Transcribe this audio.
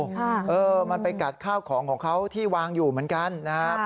ค่ะเออมันไปกัดข้าวของของเขาที่วางอยู่เหมือนกันนะครับ